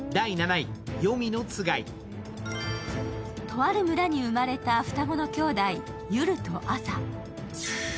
とある村に生まれた双子の兄弟、ユルとアサ。